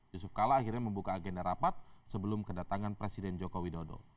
yusuf kala akhirnya membuka agenda rapat sebelum kedatangan presiden joko widodo